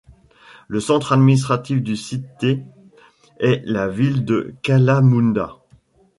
Le centre administratif du cité est la ville de Kalamunda.